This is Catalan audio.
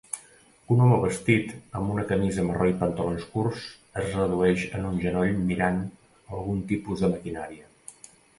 Un home vestit amb una camisa marró i pantalons curts es redueix en un genoll mirant a algun tipus de maquinària